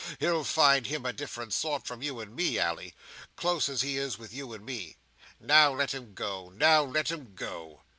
He'll find 'em a different sort from you and me, Ally; Close as he is with you and me. Now let him go, now let him go!"